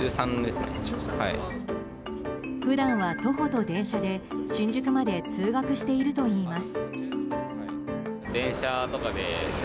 普段は徒歩と電車で新宿まで通学しているといいます。